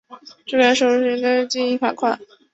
这是该协会首次对法学院数据造假进行罚款。